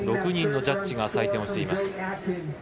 ６人のジャッジが採点しています。